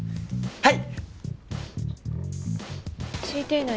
はい！